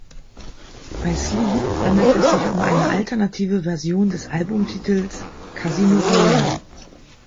Bei "Sleep" handelt es sich um eine alternative Version des Albumtitels "Casino Royale".